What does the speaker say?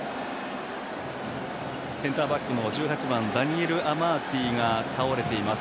センターバックの１８番ダニエル・アマーティが倒れています。